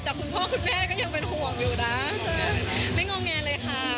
แต่คุณพ่อคุณแม่ก็ยังเป็นห่วงอยู่นะไม่งอแงเลยค่ะ